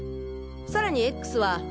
さらにＸは。